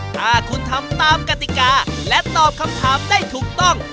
ถ้าคุณทำตามกติกาและตอบคำถามได้ถูกต้อง